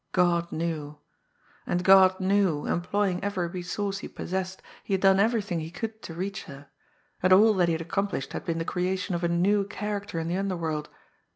God knew! And God knew, employing every resource he possessed, he had done everything he could to reach her. And all that he had accomplished had been the creation of a new character in the underworld!